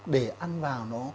để ăn vào nó